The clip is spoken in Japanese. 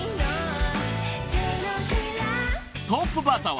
［トップバッターは］